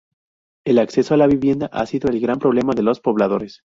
El acceso a la vivienda ha sido el gran problema de los pobladores.